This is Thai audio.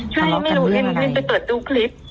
ใช่ไม่รู้เองไปเปิดดูคลิป